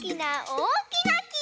おおきなき！